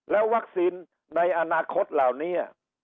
วัคซีนในอนาคตเหล่านี้